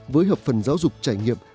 với hợp phần giáo dục trải nghiệm